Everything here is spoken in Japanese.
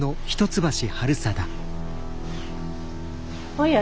おや。